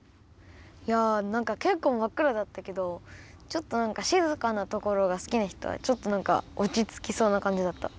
いやなんかけっこうまっくらだったけどちょっとなんかしずかなところがすきなひとはちょっとなんかおちつきそうなかんじだった。